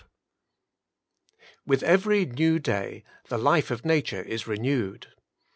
With every new day the life of nature is renewed.